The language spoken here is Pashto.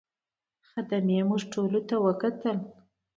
خدمې موږ ټولو ته وکتل.